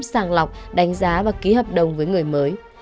sàng lọc đánh giá và ký hợp đồng với người mới